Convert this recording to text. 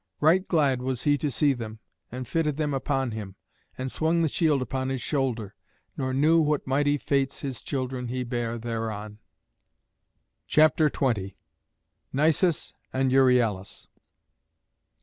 Right glad was he to see them, and fitted them upon him, and swung the shield upon his shoulder, nor knew what mighty fates of his children he bare thereon. CHAPTER XX. NISUS AND EURYALUS.